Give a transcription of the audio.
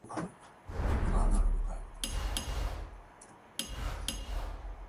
アニメを見るのが好きです。